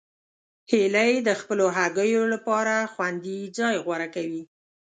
هیلۍ د خپلو هګیو لپاره خوندي ځای غوره کوي